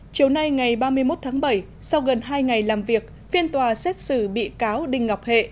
chiều nay ngày ba mươi một tháng bảy sau gần hai ngày làm việc phiên tòa xét xử bị cáo đinh ngọc hệ